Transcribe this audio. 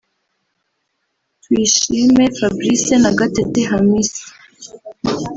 Tuyishime Fabrice na Gatete Hamisi